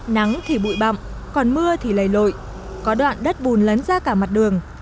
nắng thì bụi bậm còn mưa thì lầy lội có đoạn đất bùn lấn ra cả mặt đường